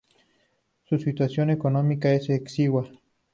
Su situación económica es exigua.